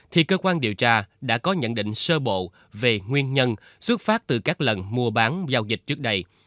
thì cơ quan điều tra đã có nhận định sơ bộ về nguyên nhân xuất phát từ các lần mua bán giao dịch trước đây